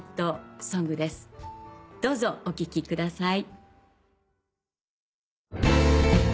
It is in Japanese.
どうぞお聴きください。